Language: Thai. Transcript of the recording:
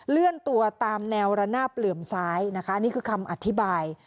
เลื่อนตัวตามแนวระนาบเหลื่อมซ้ายนะคะนี่คือคำอธิบาย